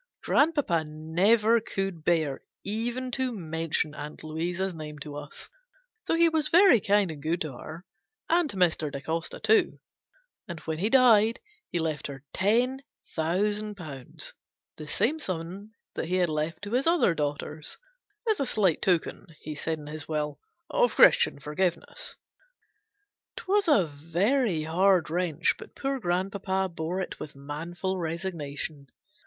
Grandpapa never could bear even to mention Aunt Louisa's name to us ; though he was very kind and good to her, and 3i8 GENERAL PASSAVANT'S WILL. to Mr. Da Costa, too ; and, when he died, he left her ten thousand pounds the same sum he left to his other daughters " as a slight token," he said in his will, " of Christian forgiveness." 'Twas a very hard wrench, but poor grandpapa bore it with manful resignation.